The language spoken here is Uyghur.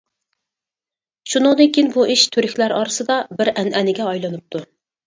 شۇنىڭدىن كېيىن بۇ ئىش تۈركلەر ئارىسىدا بىر ئەنئەنىگە ئايلىنىپتۇ.